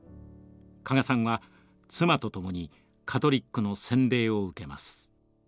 加賀さんは妻と共にカトリックの洗礼を受けます。